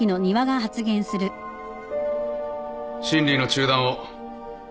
審理の中断を。